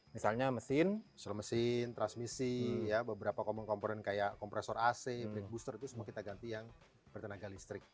misalnya mesin transmisi beberapa komponen komponen seperti kompresor ac brake booster semua kita ganti yang bertenaga listrik